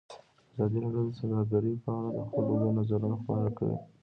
ازادي راډیو د سوداګري په اړه د خلکو نظرونه خپاره کړي.